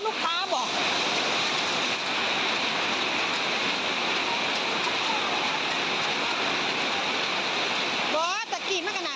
มันกรีมมากมายแล้วก็พลังขี่ปานล้อมว่าเป็นเรื่องเขี้ยวแสงอ่า